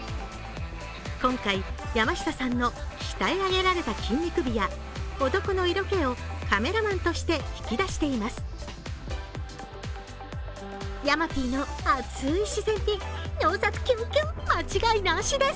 今回、山下さんの鍛え上げられた筋肉美や男の色気をカメラマンとして引き出しています。